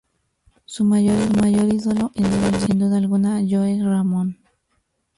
Su mayor ídolo ha sido sin duda alguna Joey Ramone.